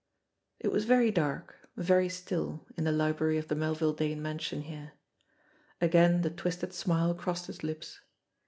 It was very dark, very still in the library of the Melville Dane mansion here. Again the twisted smile crossed his lips.